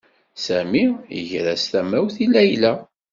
Sami iger-as tamawt i Layla.